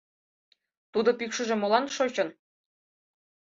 - Тудо пӱкшыжӧ молан шочын?